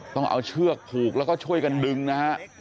ต้องเอาเชือกผูกแล้วก็ช่วยกันดึงนะฮะ